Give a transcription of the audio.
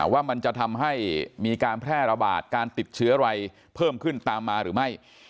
ว่ามันจะทำให้มีการแพร่ระบาดการติดเชื้ออะไรเพิ่มขึ้นตามมาหรือไม่